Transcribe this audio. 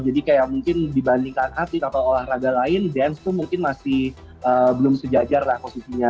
jadi kayak mungkin dibandingkan atlet atau olahraga lain dance itu mungkin masih belum sejajar lah posisinya